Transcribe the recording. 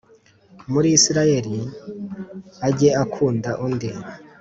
Muri Isirayeli ajye akunda undi